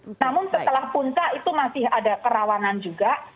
namun setelah puncak itu masih ada kerawanan juga